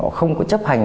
họ không có chấp hành